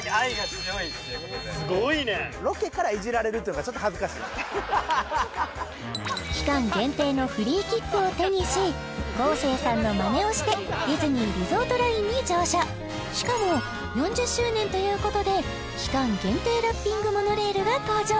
すごいね期間限定のフリーきっぷを手にし昴生さんのまねをしてディズニーリゾートラインに乗車しかも４０周年ということで期間限定ラッピングモノレールが登場